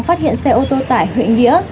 phát hiện xe ô tô tại huyện nghĩa